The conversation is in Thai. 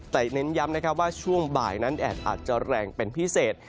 แต่เน้นย้ำนะครับว่าช่วงบ่ายนั้นแดดอาจจะแรงเป็นพิเศษ